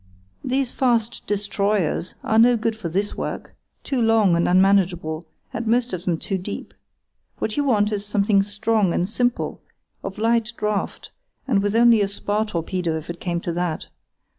These fast 'destroyers' are no good for this work—too long and unmanageable, and most of them too deep. What you want is something strong and simple, of light draught, and with only a spar torpedo, if it came to that.